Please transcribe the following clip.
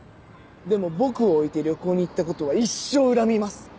でも僕を置いて旅行に行ったことは一生恨みます！